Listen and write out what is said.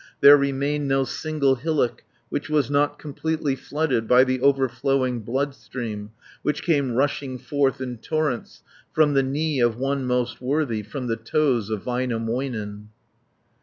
190 There remained no single hillock, Which was not completely flooded By the overflowing bloodstream, Which came rushing forth in torrents From the knee of one most worthy, From the toes of Väinämöinen.